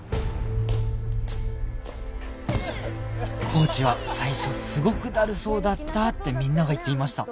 コーチは最初すごくだるそうだったってみんなが言っていました